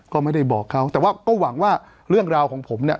ก็ไม่ได้บอกเขาแต่ว่าก็หวังว่าเรื่องราวของผมเนี่ย